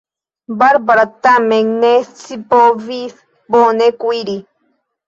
Barbara tamen ne scipovis bone kuiri.